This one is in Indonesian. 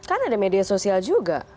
kan ada media sosial juga